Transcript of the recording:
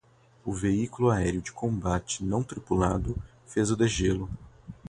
O veículo aéreo de combate não tripulado fez o degelo